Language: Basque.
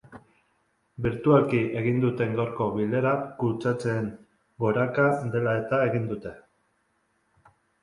Birtualki egin duten gaurko bilera kutsatzeen goraka dela eta egin dute.